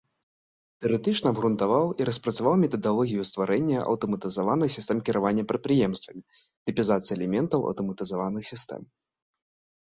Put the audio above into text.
Тэарэтычна абгрунтаваў і распрацаваў метадалогію стварэння аўтаматызаваных сістэм кіравання прадпрыемствамі, тыпізацыі элементаў аўтаматызаваных сістэм.